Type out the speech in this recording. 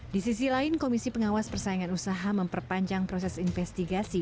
di sisi lain komisi pengawas persaingan usaha memperpanjang proses investigasi